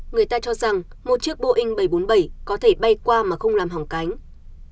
người ta cho rằng một chiếc boeing bảy trăm bốn mươi bảy có thể bay qua mà không làm hỏng cánh